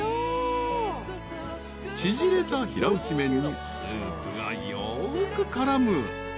［縮れた平打ち麺にスープがよく絡む］